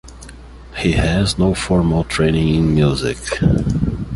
He has no formal training in music.